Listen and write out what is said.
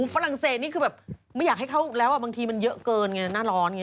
อู้ฟรั่งเศสไม่อยากให้เขาแล้วบางทีเยอะเกินหน้าร้อน